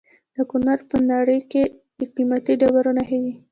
د کونړ په ناړۍ کې د قیمتي ډبرو نښې دي.